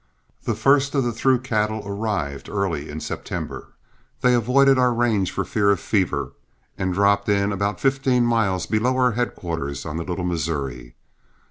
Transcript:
The first of the through cattle arrived early in September. They avoided our range for fear of fever, and dropped in about fifteen miles below our headquarters on the Little Missouri.